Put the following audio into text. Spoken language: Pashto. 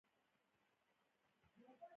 دا ارزښت باید له نورو سره برابر وي.